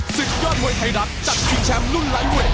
ศึกยอดมวยไทยรัฐจัดชิงแชมป์รุ่นไลท์มวย